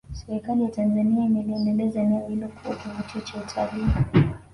Serikali ya Tanzania imeliendeleza eneo hilo kuwa kivutio cha utalii